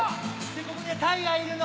ここにタイがいるの。